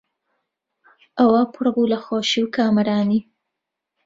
ئەوا پڕ بوو لە خۆشی و کامەرانی